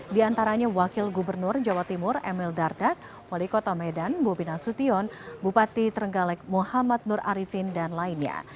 di antaranya wakil gubernur jawa timur emil dardak wali kota medan bobi nasution bupati trenggalek muhammad nur arifin dan lainnya